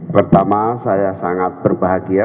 pertama saya sangat berbahagia